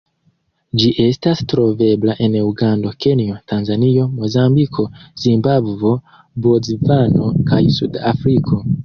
Ĝi estas trovebla en Ugando, Kenjo, Tanzanio, Mozambiko, Zimbabvo, Bocvano kaj Sud-Afriko.